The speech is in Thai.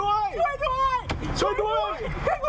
ข้างหลังข้างหลังเขาไม่เข้าใจเขาต้องการอะไร